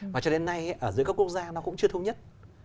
và cho đến nay ở giữa các quốc gia nó cũng chưa thống nhất